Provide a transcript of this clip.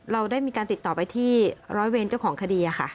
เราได้มีการติดต่อไปที่ร้อยเวรเจ้าของคดีค่ะ